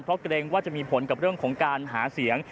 เพราะเกรงว่าจะมีผลกับเรื่องของการหาเสียง